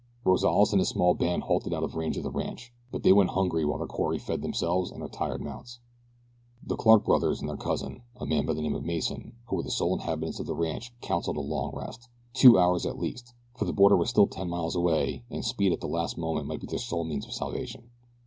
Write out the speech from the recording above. Rozales and his small band halted out of range of the ranch; but they went hungry while their quarry fed themselves and their tired mounts. The Clark brothers and their cousin, a man by the name of Mason, who were the sole inhabitants of the ranch counseled a long rest two hours at least, for the border was still ten miles away and speed at the last moment might be their sole means of salvation.